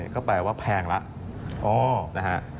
ก็แปลว่าแพงแล้ว